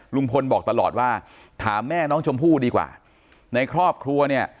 ลุงพลบอกตลอดว่าถามแม่น้องชมพู่ดีกว่าในครอบครัวเนี่ย